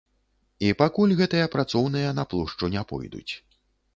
І пакуль гэтыя працоўныя на плошчу не пойдуць.